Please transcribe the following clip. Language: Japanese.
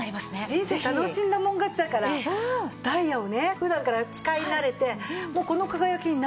人生楽しんだもん勝ちだからダイヤをね普段から使い慣れてこの輝きに慣れましょうよ。